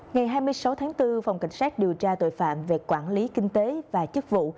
ngày hai mươi sáu tháng bốn phòng cảnh sát điều tra tội phạm về quản lý kinh tế và chức vụ